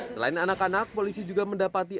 selain anak anak polisi juga mendapati